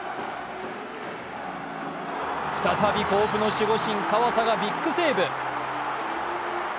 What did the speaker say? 再び甲府の守護神・河田がビッグセーブ。